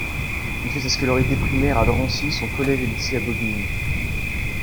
Il fait sa scolarité primaire à Drancy, son collège et lycée à Bobigny.